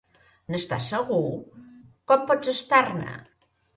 N'estàs segur? Com pots estar-ne?